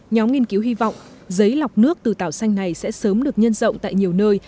nhóm nghiên cứu hy vọng giấy lọc nước từ tảo xanh này sẽ sớm được nhân rộng tại nhiều nơi